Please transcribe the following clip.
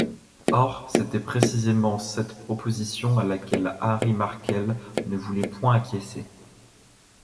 Or, c’était précisément cette proposition à laquelle Harry Markel ne voulait point acquiescer.